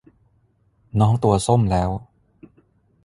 น้องตัวส้มแล้ว